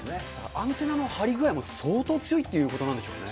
アンテナの張り具合も、相当強いということなんでしょうね。